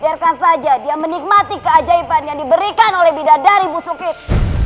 biarkan saja dia menikmati keajaiban yang diberikan oleh bidadari busukit